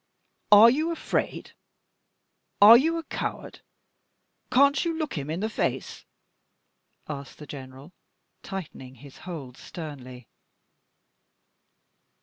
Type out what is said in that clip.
"Are you afraid? are you a coward? Can't you look him in the face?" asked the general, tightening his hold sternly.